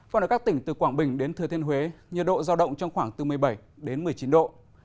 còn ở các tỉnh từ quảng bình đến thừa thiên huế nhiệt độ giao động trong khoảng từ một mươi bảy đến một mươi chín độ